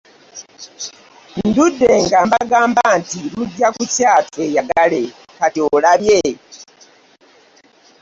Ndudde nga mbagamba nti lujja kukya tweyagale kati olabye?